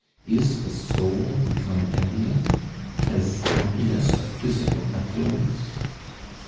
Is the soul become ambient? Has happiness a physical effluence?